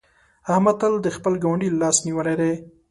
احمد تل د خپل ګاونډي لاس نيولی دی.